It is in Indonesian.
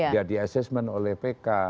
dia di assessment oleh pk